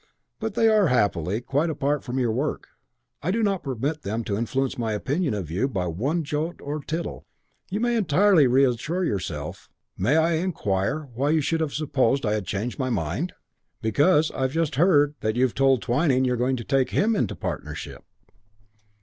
But they are, happily, quite apart from your work. I do not permit them to influence my opinion of you by one jot or tittle. You may entirely reassure yourself. May I inquire why you should have supposed I had changed my mind?" "Because I've just heard that you've told Twyning you're going to take him into partnership."